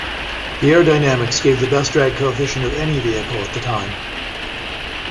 The aerodynamics gave the best drag coefficient of any vehicle at the time.